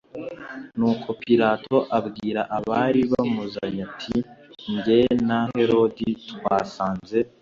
Nuko Pilato abwira abari bamuzanye ati jye na Herode twasanze